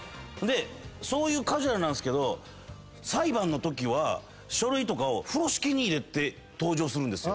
そういうカジュアルなんすけど裁判のときは書類とかを風呂敷に入れて登場するんです。